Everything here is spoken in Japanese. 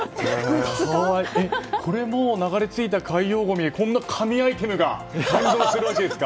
これも流れ着いた海洋ごみでこんな神アイテムが誕生するわけですか！